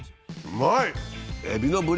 うまい！